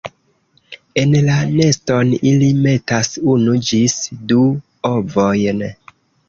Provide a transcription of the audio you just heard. En la neston ili metas unu ĝis du ovojn.